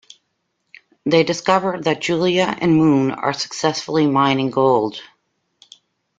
They discover that Julia and Moon are successfully mining gold.